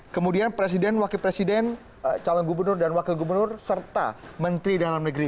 kemudian presiden wakil presiden calon gubernur dan wakil gubernur serta menteri dalam negeri